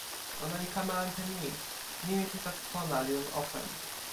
ona li kama ante ni: nimi pi toki pona li lon open.